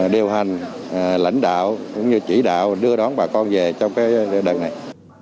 điều hành lãnh đạo cũng như chỉ đạo đưa đón bà con về trong đợt này